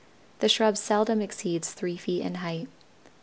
The shrub seldom exceeds three feet in height.